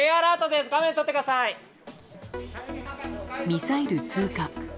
ミサイル通過。